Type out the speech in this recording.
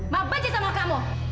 ma benci sama kamu